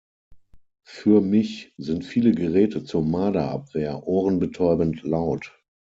Für mich sind viele Geräte zur Marderabwehr ohrenbetäubend laut.